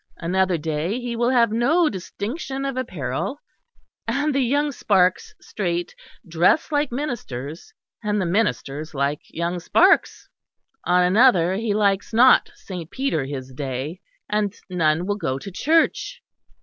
Another day he will have no distinction of apparel; and the young sparks straight dress like ministers, and the ministers like young sparks. On another he likes not Saint Peter his day, and none will go to church.